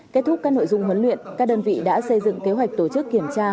kết thúc các nội dung huấn luyện các đơn vị đã xây dựng kế hoạch tổ chức kiểm tra